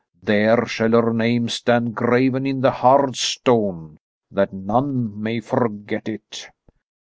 There shall her name stand graven in the hard stone, that none may forget it.